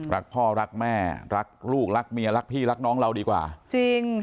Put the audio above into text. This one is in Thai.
รักพ่อรักแม่รักลูกรักเมียรักพี่รักน้องเราดีกว่าจริง